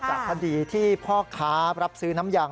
คดีที่พ่อค้ารับซื้อน้ำยาง